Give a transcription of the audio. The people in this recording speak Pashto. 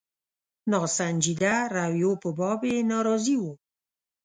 د ناسنجیده رویو په باب یې ناراضي وو.